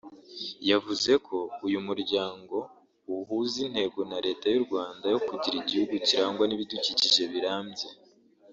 yavuze ko uyu muryango uhuze intego na Leta y’u Rwanda yo kugira igihugu kirangwa n’ibidukikije birambye